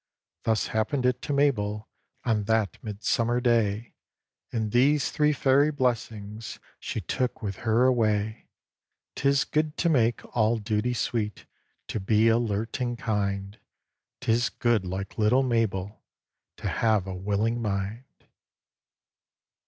Thus happened it to Mabel, On that Midsummer Day, And these three Fairy blessings She took with her away. 'Tis good to make all duty sweet, To be alert and kind; 'Tis good, like little Mabel, To have a willing mind.